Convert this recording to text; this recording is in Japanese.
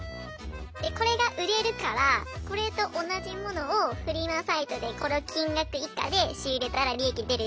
でこれが売れるからこれと同じ物をフリマサイトでこの金額以下で仕入れたら利益出るよっていうのを。